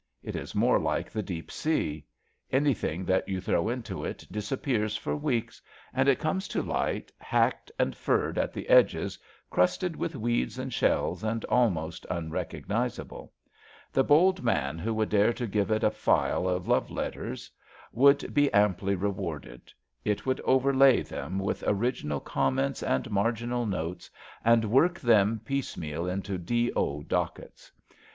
It is more like the Deep Sea. Any thing that you throw into it disappears for weeks, and comes to light hacked and furred at the edges, crusted with weeds and shells and almost un recognisable. The bold man who would dare to give it a file of love letters would be amply re warded. It would overlay them with original com ments and marginal notes, and work them piece meal into D. 0. dockets.